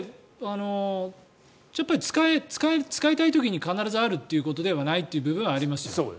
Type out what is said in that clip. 使いたい時に必ずあるということではないという部分はあります。